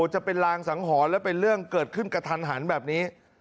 จะเป็นรางสังหรณ์และเป็นเรื่องเกิดขึ้นกระทันหันแบบนี้